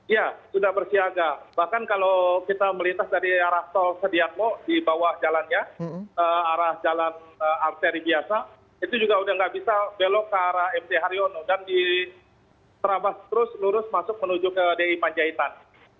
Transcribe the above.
ya sudah bersiaga bahkan kalau kita melintas dari arah tol sediatmo di bawah jalannya arah jalan arteri biasa itu juga sudah tidak bisa belok ke arah mc haryono dan diterabas terus lurus masuk menuju ke di panjaitan